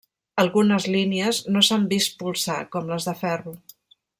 Algunes línies no s'han vist polsar, com les de ferro.